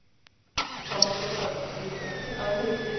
捕まってよかったですね。